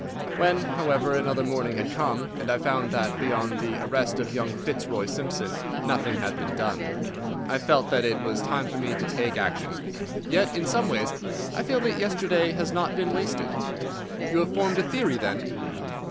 When, however, another morning had come, and I found that beyond the arrest of young Fitzroy Simpson nothing had been done, I felt that it was time for me to take action. Yet in some ways I feel that yesterday has not been wasted." "You have formed a theory, then?"